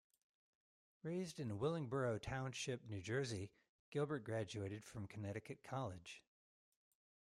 Raised in Willingboro Township, New Jersey, Gilbert graduated from Connecticut College.